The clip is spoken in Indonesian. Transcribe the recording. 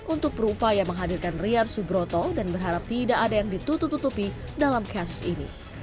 untuk berupaya menghadirkan rian subroto dan berharap tidak ada yang ditutup tutupi dalam kasus ini